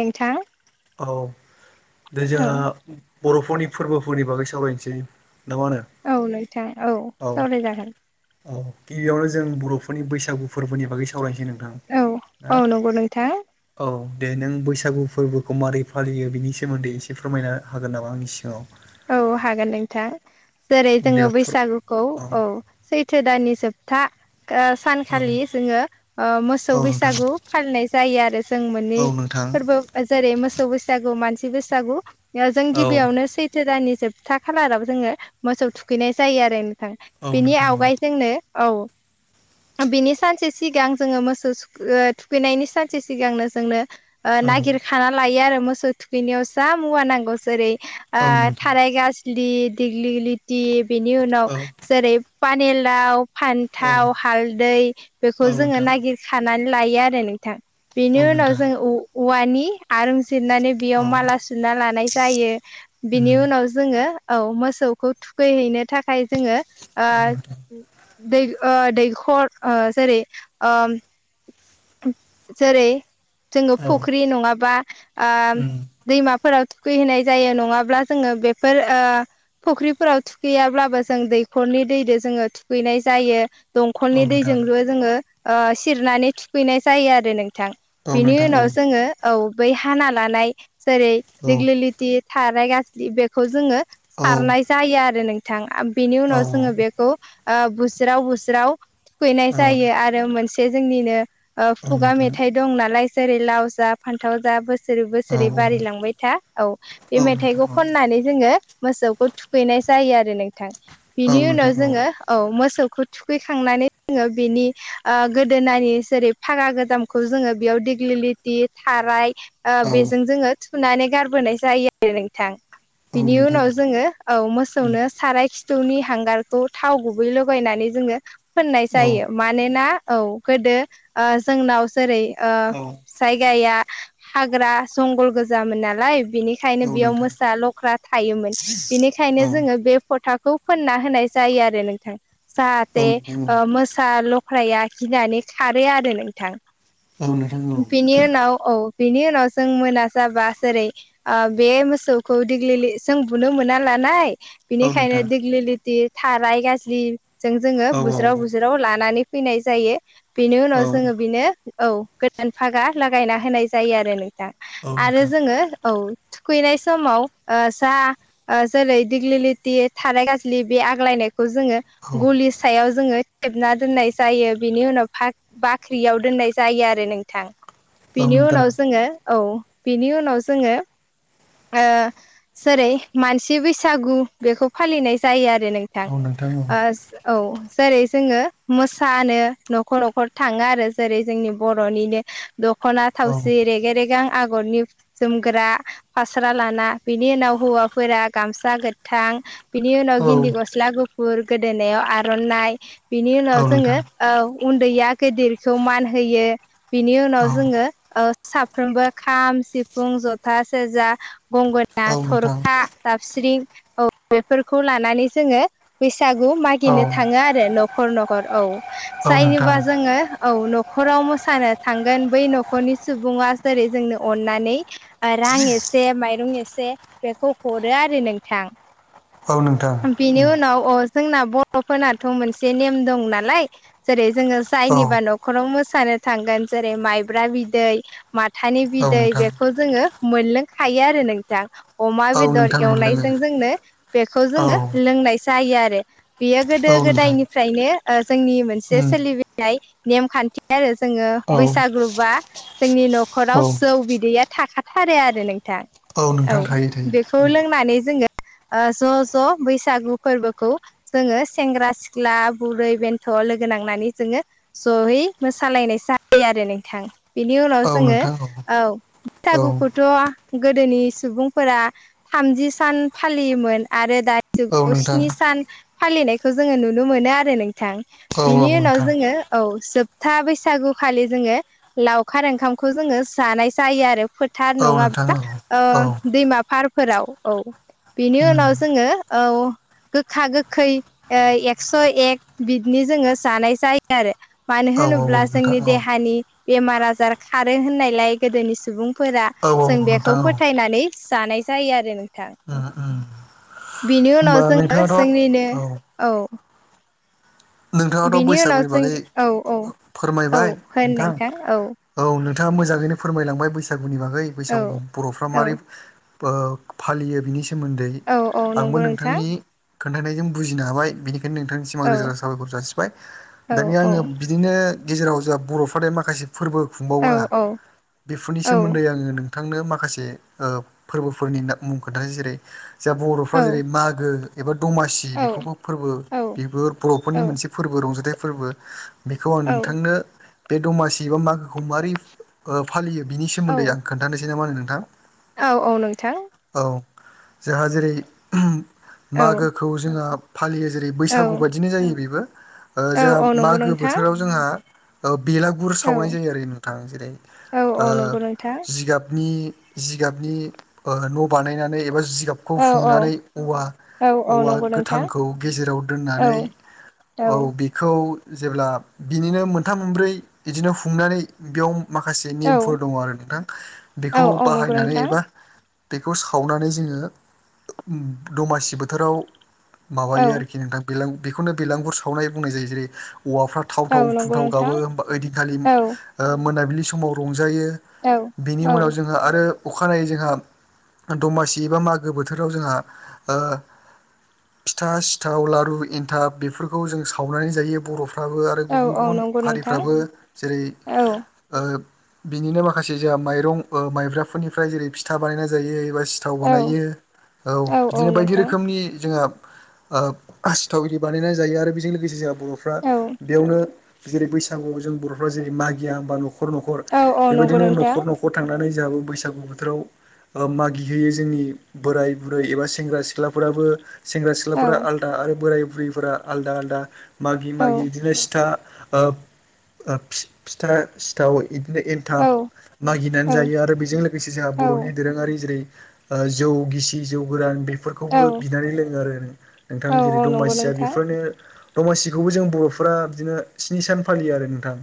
नोंथां औ दे औ जोंहा बर'फोरनि फोरबोफोरनि बागै सावरायसै। औ नोंथां, औ सावराय जागोन। औ औ गिबियावनो जों बर'फोरनि बैसागु फोरबोनि बागै सावरायनोसै नों औ औ नंगौ नोथां। औ दे नों बैसागु फोरबोखौ माबोरै फालियो बिनि सोमोन्दै एसे फोरमायनो हागोन नामा आंनि सिङाव? औ हागोन नोंथां। दे जेरै-जोङो फोर बैसागुखौ औ सै थो दानि जोबथा ओ औ सानखालि जोङो ओ औ मोसौ नोंथां बैसागु फालिनाय जायो आरो जों मोननै औ नोंथां फोरबो जेरै-मोसौ बैसागु, मानसि बैसागु जों औ गिबियावनो सैथो दाननि जोबथा खालाराव जोङो मोसौ थुखैनाय जायो आरो औ बिनि नोंथां औ आवगायजोंनो औ बिनि सानसे सिगां जोङो मोसौ सु ओ थुखैनायनि सानसे सिगांनो जोंनो ओ औ नागिरखाना लायो आरो मोसौ थुखैनायाव जा मुवा नांगौ जेरै- ओ औ नोंथां थाराय गाज्लि, दिग्लिग्लिथि बेनि उनाव औ जेरै- फानिलाव, औ फान्थाव, हालदै बेखौ औ जोङो नोंथां नागिरखानानै लायो आरो नों थां औ बेनि उनाव नोंथां जों औवानि आरूं जिरनानै बेयाव औ माला सुना लानाय जायो बिनि उम उनाव जो ङो औ मोसौखौ थुखैहैनो थाखाय जोङो ओ औ नोंथां दै ओ दैखर ओ जेरै ओ जेरै जोङो औ फुख्रि नङाबा ओ उम दैमाफोराव थुखैहोनाय जायो नङा ब्ला जोङो बेफोर ओ फुख्रिफोराव थुखैयाब्लाबो जों दैखरनि दैदो जोङो थुखैनाय जायो । औ दंखलनि नोंथां दैजोंबो' जोङो ओ सिरनानै थुखैनाय जायो आरो नों थां औ बिनि नोंथां उनाव औ जोङो औ बै हाना लानाय जेरै औ दिग्लिलिथि थाराय गाज्लि बेखौ जोङो औ सारनाय जायो आरो नोंथां आ बेनि औ उनाव जोङो बेखौ ओ बुस्राव-बुस्राव थुखैनाय औ जायो आरो मोनसे जोंनिनो ओ औ खुगा नोंथां मेथाइ दं नालाय जेरै-लाव जा फान्थाव जा बो सोरै औ बोसोरै बारिलांबाय था औ औ बे नोंथां मेथाइखौ औ खननानै जोङो मोसौ खौ थुखैनाय जायो आरो नोंथां औ बिनि नोंथां उनाव जोङो औ मोसौ खौ थुखैखांनानै जोङो बेनि ओ गोदोनानि जेरै फारा गोजामखौ जोङो बेयाव दिग्लि लिथि, थाराय ओ औ बेजों जोङो थुनानै गारबोनाय जायो आरो नोंथां। औ बिनि नोंथां उनाव जोङो औ मोसौनो साराय खि थौनि हांगारखौ थाव गुबै लगायनानै जोङो फोननाय औ जायो । मानोना औ गोदो ओ जोंनाव जेरै ओ औ नोंथां औ जायगाया हाग्रा जंगल गोजामोन नालाय बेनिखायनो औ बेयाव नोंथां मो सा-ल'ख्रा थायोमोन औ बेनिखायनो जोङो बे फ'थाखौ फोनना होनाय जायो आरो नोंथां। जाहाथे ओ मोसा ल' ख्राया गिनानै खारो आरो नोंथां । औ नोंथां औ नोंथां औ बिनि उनाव औ बेनि उनाव जों मोना जाबा जेरै ओ बे मोसौखौ दिग्लिलि जों बुनो मोनाा लानाय औ नोंथां बिनिखायनो दिग्लि लिथि, थाराय गाज्लिजों जोङो औ नोंथां औ नोंथां औ नोंथां औ नोंथां औ नोंथां बुज्राव-बुज्राव लानानै फैनाय जायो बेनि उनाव जोङो बिनो औ गोदान फागा लागायना होनाय जायो आरो नोंथां आरो जोङो औ थुखैनाय समाव ओ जा ओ जेरै दिग्लि लिथि, थाराय गाज्लि बे आग्लायनाय खौ जोङो गलि सायाव जोङो थेबना दोननाय जायो बिनि उनाव बाख्रियाव दोननाय जायो आरो नोंथां बिनि उनाव जोङो औ बिनि उनाव जोङो ओ जेरै मानसि बैसागु बेखौ फालिनाय जायो आरो नोंथां ओ औ जेरै जोङो मोसानो न'खर न'खर थाङो आरो जेरै जोंनि बर'निनो दख'ना औ थावसि रेगे रेगां आग रनि जोमग्रा फास्रा लाना बेनि उनाव हौवाफोरा गामसा गोथां बिनि उनाव गिन्दि गस्ला गुफुर गोदोनायाव आर'नाइ बिनि उनाव जोङो औ उन्दैया गिदिरखौ मान होयो । बिनि उनाव जोङो ओ साफ्रोमबो खाम सिफुं ज'था सेरजा गंगोना औ थरखा जाबस्रिं औ बेफोरखौ लानानै जोङो बैसागु मागिनो थाङो आरो न'खर न'खर औ नोंथां जायोबा जोङो औ न'खराव मोसानो थांगोन बै न'खरनि सुबुङा जेरै जोंनो अननानै रां एसे माइरं एसे बेखौ हरो आरो नोंथां बिनि उनाव ओ जोंना बर'फोरनाथ' मोनसे नेम दं नालाय जेरै जोङो जायनिबा न'ख'राव मो सानो थांगोन जेरै माइब्रा बिदै माथानि बिदै बेखौ जोङो मोनलोंखायो आरो नोंथां अ'मा औ बेदर नोंथां मोनलोङो एवनायजों जोंनो बेखौ औ जोङो लोंनाय जायो आरो बियो गोदो औ नोंथां गोदायनिफ्रायनो ओ जोंनि मोनसे उम सोलिबनाय नेमखान्थि आरो जोङो औ बैसागुबा जोंनि औ न'खराव जौ बिदैया थाखाथारो आरो नोंथां औ नोंथां थायो बेखौ थायो उम लोंनानै जोङो ज ज बैसागु फोरबोखौ जोंङो सेंग्रा सिख्ला बुरै बेन्थ। लोगो नांनानै जोंङो जहै मोसालायनाय सा आरो नोंथां बेनि उनाव औ जोंङो नोंथां औ। औ बैसागुखौथ गोदोनि सुबुंफोरा थामजि सान फालियोमोन आरो दायो। औ गु नोंथां स्नि सान फालिनायखौ जोंङो नुनो मोनो आरो नोंथां औ बिनि उनाव नोंथां जोंङो औ जोबथा बैसागु खालि जोंङो लावखार ओंखामखौ जोंङो जानाय जायो आरो। थार औ नोंथां नङाब्ला औ ओ औ दैमा फारफोराव औ बेनि उम उनाव जोंङो औ गोखा गोखै एक्स एक बिदिनि जोंङो जानाय जायो आरो मानो होन औ औ औ। नोंथां जोंनि औ देहानि बेमार आजार खारो होननायलाय गोदोनि सुबुंफोरा औ जों औ बेखौ। नोंथां औ फोथायनानै जानाय जायो आरो नोंथां। [inaudible] बिनि होमबा उनाव जोंङो नोंथाङाथ' जोंनिनो औ औ। नोंथाङाथ बिनि उनाव बैसागुनि जों बागै औ औ फोरमायबाय नोंथां औ नों नोंथाङा मोजाङैनो फोरमायलांबाय बैसागुनि बागै औ बैसागु बरफ्रा औ मारै। फालियो बिनि सोमोन्दै औ औ आंबो नंगौ नोंथां नोंथांनि। खोन्थानायजों बुजिनो हाबाय बेनिखायनो नोंथांनिसिम आं औ रोजा रोजा। साबायखर जासिबाय औ दानिया औ आंङो बिदिनो गेजेराव जोंहा बरफ्रा दि माखासे फोरबो औ खुंबावोना औ बेफोरनि सोमोन्दै आंङो नोंथां। नोंथांनो माखासे फोरबोफोरनि मुं खोन्थानो जेरै जा बरफ्रा औ जेरै मागो एबा दमासि औ बेखौबो फोरबो औ बेबो औ बरफोरनि मोनसे फोरबो रंजाथाइ फोरबो बेखौ आं औ नोंथांनो बे दमासि बा मागोखौ माबोरै फालियो बिनि औ सोमोन्दै आं खोन्थानोसै ना मा होनो नोंथां। औ औ नोंथां। औ जोंहा जेरै औ मागोखौ जोंहा फालियो जेरै बैसागु। औ बायदिनो जायो बेबो ओ औ जोंहा औ नंगौ मागो नोंथां बोथोराव जोंहा ओ बेलागुर औ सावनाय जायो आरो नोंथां जेरै- औ ओ औ नंगौ नोंथां जिगाब नि जिगाबनि ओ न' बानायनानै एबा जि गाबखौ औ औ हुंनानै औवा औ औ औवा नंगौ नोंथां गोथांखौ गेजेराव दोन औ दनानै औ बेखौ खौ जेब्ला बिनिनो मोनथाम मोनब्रै इदिनो हुंनानै बेयाव माखासे औ नेमफोर दङ आरो नोंथां बेखौ औ औ नंगौ बाहायनानै नोंथां एबा बेखौ सावनानै जोङो दमासि बोथोराव औ माबायो आरोखि नोंथां बेला बेखौनो बेलागुर सावनाय बुंनाय जायो जेरै- औवाफ्रा थाव औ थाव नंगौ थुनथाव नोंथां गाबो होमबा ओइदिनखालि औ ओ मोनाबिलि समाव रंजायो। औ बिनि उनाव जोङो आरो अखानायै जोंहा दमासि एबा मागो बोथोराव जोंहा ओ फिथा सिथाव लारु एन्थाब बेफोरखौ जों सावनानै जायो बर' फ्राबो आरो औ गुबुन औ गुबुन नंगौ नोंथां हारिफ्राबो जेरै- औ ओ बिनिनो माखासे जोंहा माइरं ओ माइब्राफोरनिफ्राय जेरै- फिथा बानायनाय जायो एबा सिथाव औ बानायो औ औ बिदिनो बायदि नोंथां रोखोमनि जोंहा ओ सिथाव इरि बानायनाय जायो आरो बेजों लोगोसे जोंहा बर'फ्रा औ बेयावनो जेरै- बैसागुआव जों बर'फ्रा जेरै- मागिया होमबा न'खर न'खर औ औ नंगौ बेबायदिनो नोंथां न'खर न'खर थांनानै जोंहाबो बैसागु बोथोराव ओ मागिहोयो जोंनि बोराय बुरै एबा सेंग्रा सिख्लाफोराबो सेंग्रा औ सिख्लाफोरा आलदा आरो बोराय बुरिफोरा आलदा आलदा मागि औ मागि बिदिनो सिथा ओ ओ फि-फिथा सिथाव इदिनो औ एनथाब मागिनानै जायो आरो बेजों लोगोसे जोंहा बर'नि दोरोङारि जेरै- ओ जौ गिसि जौ गोरान बेफोरखौबो बिनानै लोङो आरो नों थां औ जेरै- नंगौ दमासिया नोंथां बेफोरनो दमासिखौबो जों बर'फोरा बिदिनो स्नि सान फालियो आरो नोंथां।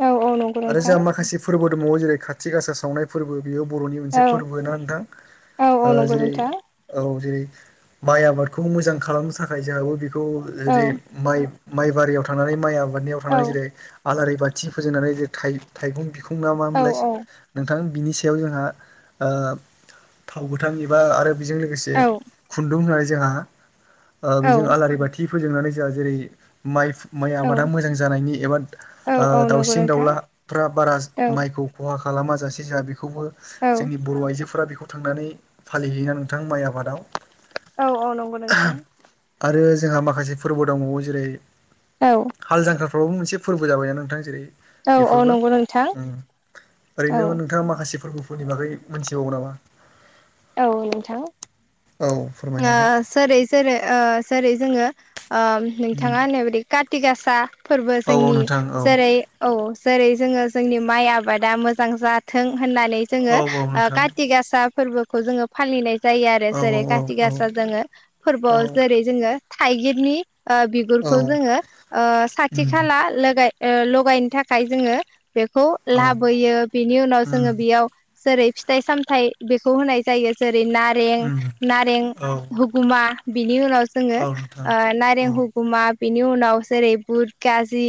औ नंगौ आरो नोंथां जोंहा माखासे फोरबो दंबावो जेरै- खाथि गासा सावनाय फोरबो बेयो बर'नि मोनसे औ फोरबो होना नोंथां औ औ ओ नंगौ जेरै- नोंथां औ जेरै- माइ आबादखौ मोजां खालामनो थाखाय जोंहाबो बेखौ औ जेरै- माइ माइ बारियाव थांनानै माइ आबादनियाव थांनानै जेरै- आलारि थि फोजोंनानै जे थाइ-थाइगं बिखुं ना औ मामोनलाय नोंथां बिनि सायाव जोंहा ओ थाव गोथां एबा आरो बिजों लोगोसे खुन्दुं होनानै जोंहा ओ बिजों औ आलारि बाथि फोजोंनानै जोंहा जेरै- माइ माइ औ आबादा मोजां जानायनि एबा औ औ ओ नंगौ दाउसिन नोंथां दाउलाफ्रा बारा औ माइखौ खहा खालामा जासे जाया बेखौबो औ जोंनि बर' आइजोफोरा बेखौ थांनानै फालिहैयो नोंथां माइ आबादाव औ औ नंगौ नोंथां। आरो जोंहा माखासे फोरबो दंबावो जेरै औ हाल जांख्राफ्रावो मोनसे फोरबो जाबायना नोंथां जेरै औ औ बेफोरबो नंगौ नोंथां ओम औ ओरैनो नोंथाङा माखासे फोरबो फोरनि बागै मोनथिबावो नामा? औ नोंथां। औ फोरमायनो हागोन जेरै ओ जेरै जोङो ओ नोंथाङा होननाय बायदि काति गासा फोरबो हागोन उम औ औ जोंनि नोंथां औ जेरै औ जेरै जोङो जोंनि माइ आबादा मोजां जाथों होननानै जोङो औ औ ओ नोंथां काथि गासा फोरबोखौ जोङो फालिनाय जायो आरो औ जेरै औ का थि गासा औ जोङो औ फोरबोआव जेरै जोङो थाइगिरनि ओ औ बिगुरखौ जोङो ओ साथि उम खाला लगाय ओ लगायनो थाखाय जोङो बेखौ औ लाबोयो बेनि उनाव उम जोङो बेयाव जेरै फिथाइ सामथाय बेखौ होनाय जायो जेरै नारें उम नारें औ हुगुमा आ बिनि उनाव जोङो औ नोंथां ओ नारें औ हुगुमा बिनि उनाव जेरै बुट गाजि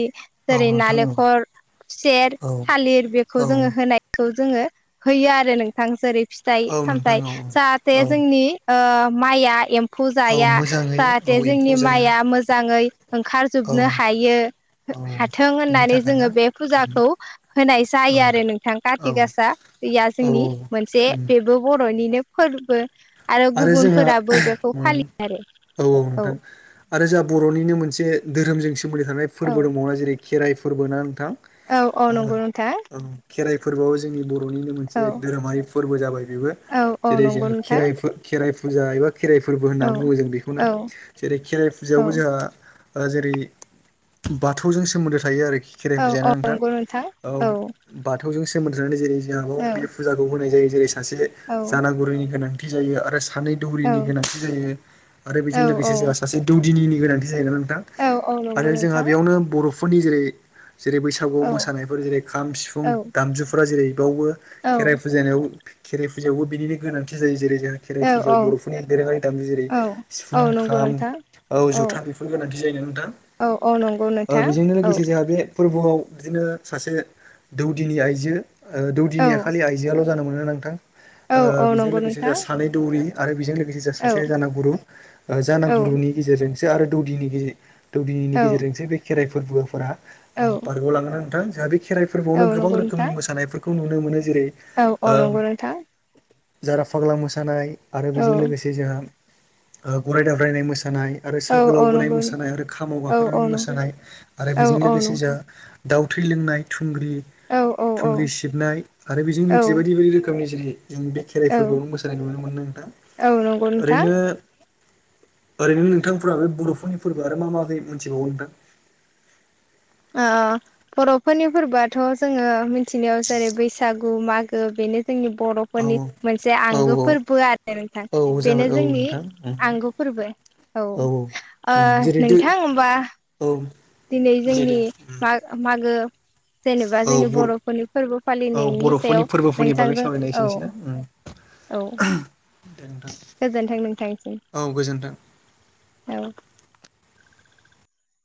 औ जेरै नोंथां औ नालेंखर खुसेर औ थालिर बेखौ औ जोङो होनायखौ जोङो होयो आरो नोंथां जेरै फिथाइ औ नोंथां सामथाइ औ जाहाथे औ जोंनि माइआ एम्फौ औ जाया मोजाङै औ जाहाथे एम्फौ जोंनि जाया माइआ मोजाङै औ ओंखारजोबनो हायो औ हाथों बिनि होननानै थाखाय ना जोङो बे फुजाखौ होनाय औ जायो दै आरो नोंथां औ कारथि गासा दैया औ जोंनि मोनसे उम बेबो बर'निनो फोरबो आरो जोंहा गुबुनफोराबो बेखौ औ फालि औ नोंथां आरो जोंहा बर'निनो मोनसे धोरोमजों सोमोन्दै थानाय औ फोरबो दंबावा जेरै खेराइ फोरबो ना नोंथां औ औ नंगौ नोंथां खेराय फोरबोआव जोंनि बर'निनो औ मोनसे धोरोमारि फोरबो जाबाय बेबो औ औ जेरै नंगौ जोङो नोंथां खेराइ खेराइ फुजा एबा खेराइ फोरबो होन्ना औ बुङो जों बेखौनो औ जेरै खेराइ औ फुजायावबो जोंहा ओ जेरै बाथौजों सोमोन्दो थायो आरोखि खेराइ औ फुजाया औ नोंथां नंगौ औ बाथौजों सोमोन्दोानै जेरै जोंहाबाव औ बे फुजाखौ होनाय जायो जेरै सासे औ जानागुरिनि गोनांथि जायो आरो सानै औ दौरिनि गोनांथि जायो आरो औ बेजों लोगोसे जोंहा सासे दौदिनिनि गोनांथि जाहैगोनना नोंथां औ औ नंगौ आरो जोंहा नोंथां बेयावनो बर'फोरनि जेरै जेरै बैसागुआव औ मोसानायफोर जेरै खाम सिफुं औ दामजुफोरा जेरै बावबो औ खेराइ फुजनायाव खेराइ फुजायावबो बिनिनो गोनांथि जायो जेरै जों खेराइ फुजायाव बर'फोरनि दोरोङारि दामि जेरै औ औ सिफुं नंगौ खाम नोंथां औ जथा बेफोर गोनांथि जायो ना नोंथां औ औ नंगौ नोंथां बेजोंनो औ लोगोसे जोंहा बे फोरबोआव बिदिनो सासे दौदिनि आइजो औ दौदिनिया खालि आइजोआल' जानो मोनो नोंथां । औ ओ औ बेजों नंगौ लोगोसे नोंथां जोंहा सानै दौरि आरो बेजों लोगोसे गेजेर औ सासे जानागुरु। जाना औ गुरुनि गेजेरजोंसो आरो दौदिनि दौदिनि औ गेजेरजोंसो बे खेराइ फोर्बोफोरा औ बारग' लाङो नोंथां। जोंहा बे खेराइ औ फोर्बोआवनो गोबां नंगौ नोंथां रोखोमनि मोसानायफोरखौ नुनो मोनो जेरै औ औ नंगौ नोंथां जारा फाग्ला मोसानाय आरो औ बेजों लोगोसे जोंहा गराय दाब्रायनाय मोसानाय मोसानाय आरो औ सागोलाव औ बोनाय नंगौ मोसानाय आरो खामाव औ गाखोनानै औ नंगौ मोसानाय आरो औ बेजों औ लोगोसे नंगौ जों दाउथै लोंनाय थुंग्रि, औ औ थुंग्रि सिबनाय आरो बेजों औ लोगोसे बायदि बायदि रोखोम खोमनि जेरै जों बे खेराइ औ फोरबोआवबो मोसानाय नुनो मोनो नोंथां। औ नंगौ नोंथां ओरैनो ओरैनो नोंथांफोरा बे बर'फोरनि फोर्बो आरो मा मायै मोनथिबावो नोंथां। [unintelligible] [inaudible] ओ बर'फोरनि फोर्बोआथ' जोङो मिथिनायाव जेरै बैसाग गो मागो बेनो जोंनि बर'फोरनि औ मोनसे औ आंगो औ फोर्बो आरो नोंथां। औ औ जाबाय बेनो औ जोंनि नोंथां आंगो फोर्बो। औ ओ जेरै दो नोंथां होमबा औ दिनै दे जोंनि दे मा मागो जेनेबा औ जोंनि बर' बर'फोरनि फोर्बो औ फालिनायनि बर'फोरनि सायाव फोरबोफोरनि बागै नोंथांजों, सावरायनाय औ। एसेनोसै ना औ दे नोंथां गोजोनथों नोंथांसिम। औ गोजोन्थों औ।